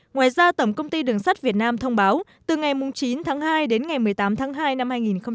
ngoài ra tổng công ty đường sắt việt nam thông báo từ ngày chín tháng hai đến ngày một mươi tám tháng hai năm hai nghìn hai mươi